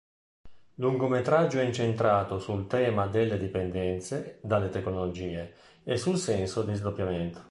Lungometraggio incentrato sul tema delle dipendenze dalle tecnologie e sul senso di sdoppiamento.